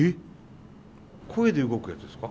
声で動くやつですか？